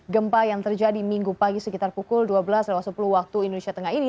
gempa yang terjadi minggu pagi sekitar pukul dua belas sepuluh waktu indonesia tengah ini